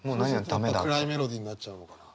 そうすると暗いメロディーになっちゃうのかな。